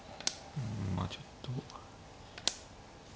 うんまあちょっと。